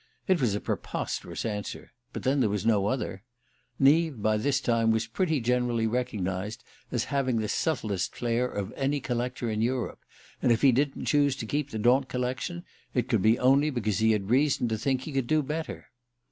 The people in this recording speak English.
It was a preposterous answer but then there was no other. Neave, by this time, was pretty generally recognized as having the subtlest flair of any collector in Europe, and if he didn't choose to keep the Daunt collection it could be only because he had reason to think he could do better.